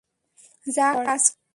যা কাজ কর।